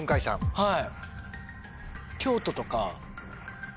はい。